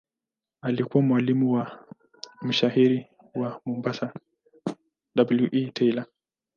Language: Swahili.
Alikuwa mwalimu wa mshairi wa Mombasa W. E. Taylor.